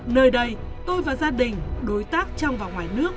nơi đây tôi và gia đình đối tác trong và ngoài nước